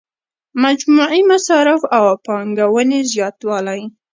مجموعي مصارفو او پانګونې زیاتوالی.